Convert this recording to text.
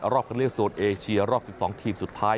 รอบคันเลือกโซนเอเชียรอบ๑๒ทีมสุดท้าย